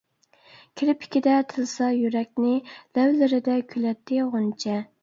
كىرپىكىدە تىلسا يۈرەكنى، لەۋلىرىدە كۈلەتتى غۇنچە.